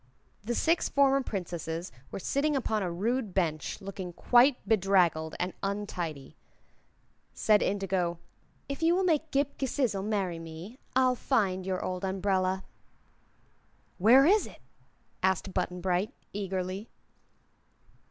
The six former Princesses were sitting upon a rude bench, looking quite bedraggled and untidy. Said Indigo: "If you will make Ghip Ghisizzle marry me, I'll find your old umbrella." "Where is it?" asked Button Bright, eagerly.